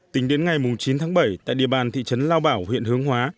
tính đến ngày chín tháng bảy tại địa bàn thị trấn lao bảo huyện hướng hóa